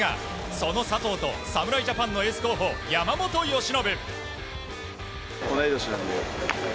その佐藤と侍ジャパンのエース候補、山本由伸。